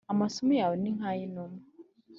Amaso yawe ni nk’ay’inuma.